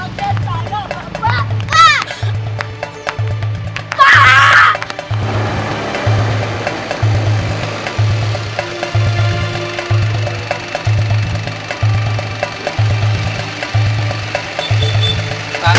oh kita juga gak baik tadi